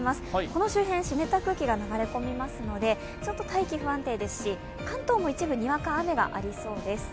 この周辺湿った空気が流れ込みますので大気、不安定ですし、関東も一部、にわか雨がありそうです。